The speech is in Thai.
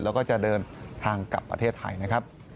แล้วก็จะเดินทางกลับประเทศไทยนะครับ